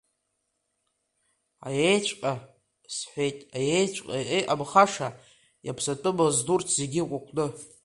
Аиеиҵәҟьа, – сҳәеит, аиеиҵәҟьа, иҟамхаша, икаԥсатәымыз урҭ зегьы кәыкәны.